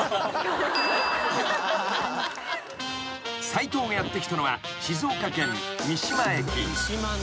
［斎藤がやって来たのは静岡県三島駅］